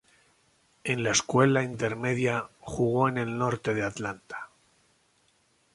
En la escuela intermedia, jugó en el norte de Atlanta.